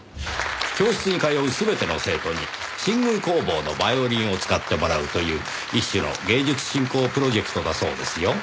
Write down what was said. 教室に通う全ての生徒に新宮工房のバイオリンを使ってもらうという一種の芸術振興プロジェクトだそうですよ。